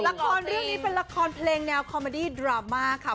ละครเรื่องนี้เป็นละครเพลงแนวคอมเมดี้ดราม่าค่ะ